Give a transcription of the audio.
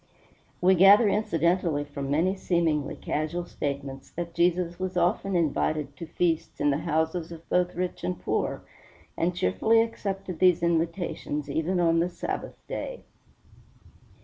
We gather incidentally from many seemingly casual statements that Jesus was often invited to feasts in the houses of both rich and poor, and cheerfully accepted these invitations even on the Sabbath day.